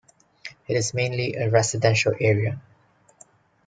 It is mainly a residential area.